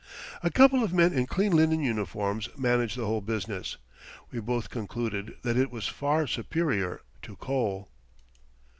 A couple of men in clean linen uniforms manage the whole business. We both concluded that it was far superior to coal.